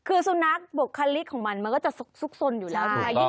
คือสุนัขบุคลิกของมันมันก็จะซุกสนอยู่แล้วนะคะ